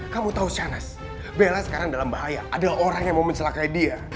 kamu tahu shanes bella sekarang dalam bahaya ada orang yang mau mencelakai dia